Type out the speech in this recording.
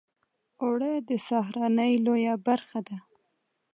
اوړه د سهارنۍ لویه برخه ده